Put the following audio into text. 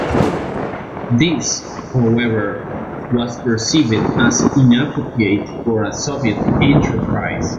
This, however, was perceived as inappropriate for a Soviet enterprise.